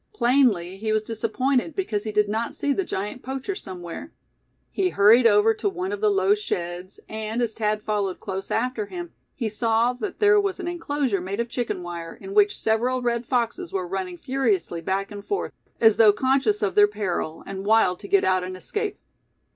Plainly he was disappointed because he did not see the giant poacher somewhere. He hurried over to one of the low sheds, and as Thad followed close after him, he saw that there was an enclosure made of chicken wire, in which several red foxes were running furiously back and forth, as though conscious of their peril, and wild to get out and escape.